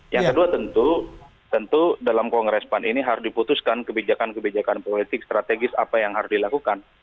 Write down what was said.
yang kedua tentu tentu dalam kongres pan ini harus diputuskan kebijakan kebijakan politik strategis apa yang harus dilakukan